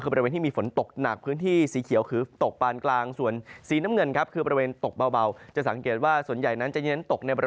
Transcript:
พื้นที่สีเหลืองมีฝนตกหนัก